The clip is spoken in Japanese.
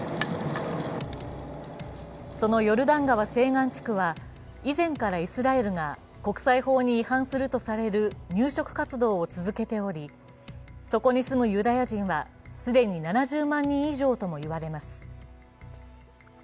そのヨルダン川西岸地区は以前からイスラエルが国際法に違反するとされる入植活動を続けておりそこに住むユダヤ人は既に７０万人以上ともいわれます。